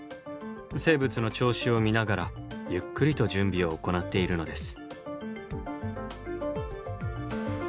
生物の調子を見ながらゆっくりと準備を行っているのです。